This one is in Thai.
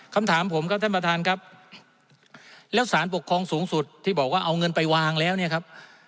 คำถามผมครับท่านประธานครับแล้วสารปกครองสูงสุดที่บอกว่าเอาเงินไปวางแล้วเนี่ยครับ